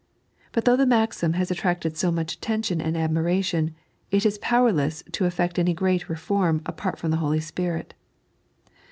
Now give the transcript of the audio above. But though the maxim has attracted so much attention and admiration, it is powerless to effect any great reform apart from the Holy Spirit.